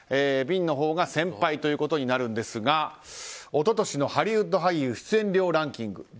ヴィンのほうが先輩ということになるんですが一昨年のハリウッド俳優出演料ランキング